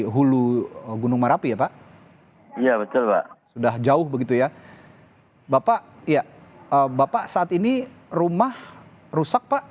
hulu gunung merapi ya pak iya betul sudah jauh begitu ya bapak ya bapak saat ini rumah rusak pak